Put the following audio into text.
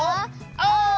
お！